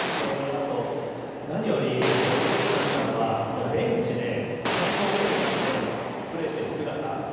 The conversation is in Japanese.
何より、僕がすごく感じたのはベンチで感情を表に出してプレーしている姿。